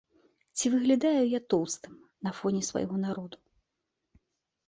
Ці выглядаю я тоўстым на фоне свайго народу?